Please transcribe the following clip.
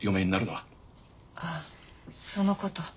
ああそのこと。